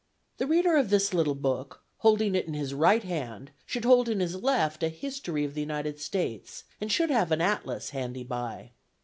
The reader of this little book, holding it in his right hand, should hold in his left a history of the United States and should have an atlas "handy by."